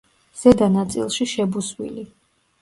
ზედა ნაწილში შებუსვილი.